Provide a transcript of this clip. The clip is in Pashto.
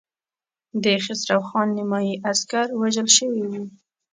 د خسرو خان نيمايي عسکر وژل شوي وو.